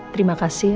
terima kasih ya